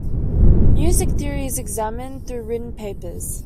Music Theory is examined through written papers.